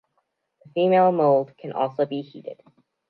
The female mold can also be heated.